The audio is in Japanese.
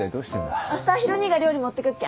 あしたヒロ兄が料理持ってくっけん。